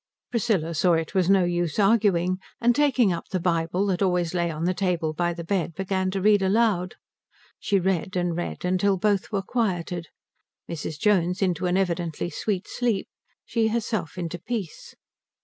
Priscilla saw it was no use arguing, and taking up the Bible that always lay on the table by the bed began to read aloud. She read and read till both were quieted, Mrs. Jones into an evidently sweet sleep, she herself into peace.